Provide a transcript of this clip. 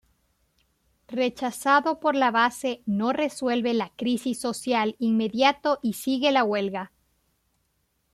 Rechazado por la base, no resuelven la crisis social inmediato y sigue la huelga.